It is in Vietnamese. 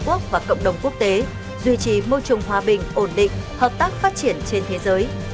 quốc và cộng đồng quốc tế duy trì môi trường hòa bình ổn định hợp tác phát triển trên thế giới